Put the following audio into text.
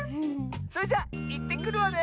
それじゃいってくるわね！